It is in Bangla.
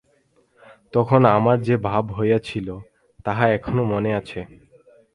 তখন আমার যে ভাব হইয়াছিল, তাহা এখনও মনে আছে।